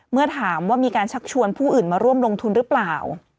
เมื่อถามว่ามีการชักชวนผู้อื่นมาร่วมลงทุนหรือเปล่า